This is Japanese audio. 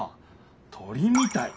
鳥みたい。